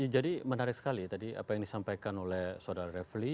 jadi menarik sekali tadi apa yang disampaikan oleh saudara refli